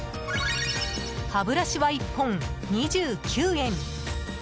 歯ブラシは１本２９円。